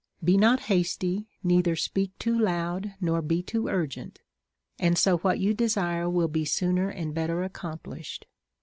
Be not hasty, neither speak too loud, nor be too urgent, and so what you desire will be sooner and better accomplished.